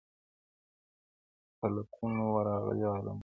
په لكونو وه راغلي عالمونه !.